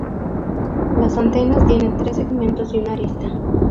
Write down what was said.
Las antenas tiene tres segmentos y una arista.